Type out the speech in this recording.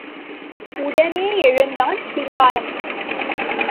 உடனே எழுந்தான் சிங்காரம்.